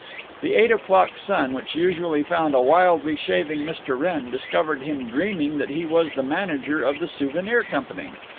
The eight o'clock sun, which usually found a wildly shaving Mr. Wrenn, discovered him dreaming that he was the manager of the Souvenir Company.